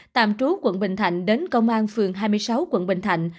tạm trú quận bình thạnh đến công an phường hai mươi sáu quận bình thạnh